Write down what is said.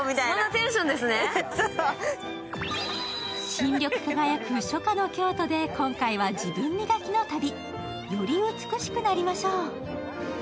新緑輝く初夏の京都で今回は自分磨きの旅。より美しくなりましょう。